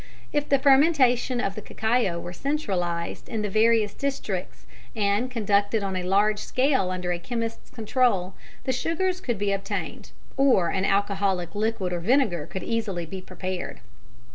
If the fermentation of the cacao were centralised in the various districts, and conducted on a large scale under a chemist's control, the sugars could be obtained, or an alcoholic liquid or a vinegar could easily be prepared.